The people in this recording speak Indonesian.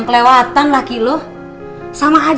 kalau anak lo kasih tau